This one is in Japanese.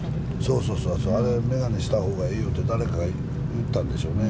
そうそうそうそう、あれ、眼鏡したほうがいいよって、誰かが言ったんでしょうね。